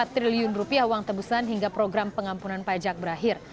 empat triliun rupiah uang tebusan hingga program pengampunan pajak berakhir